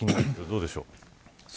どうでしょうか。